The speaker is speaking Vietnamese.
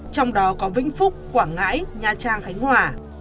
trong đó có vĩnh phúc quảng ngãi nha trang khánh hòa